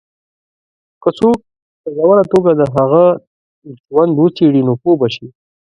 که څوک په ژوره توګه د هغه ژوند وڅېـړي، نو پوه به شي.